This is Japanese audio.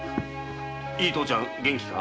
いい父ちゃん元気か？